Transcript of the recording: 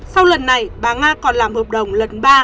sau lần này bà nga còn làm hợp đồng lần ba